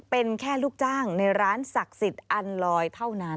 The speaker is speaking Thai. เป็นแค่ลูกจ้างในร้านศักดิ์สิทธิ์อันลอยเท่านั้น